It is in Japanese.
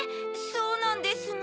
そうなんですの。